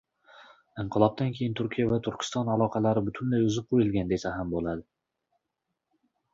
inqilobdan keyin Turkiya va Turkiston aloqalari butunlay uzib qo‘yilgan desa ham bo‘ladi.